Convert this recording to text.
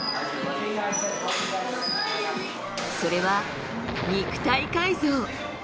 それは肉体改造。